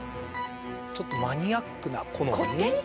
ちょっとマニアックな好み？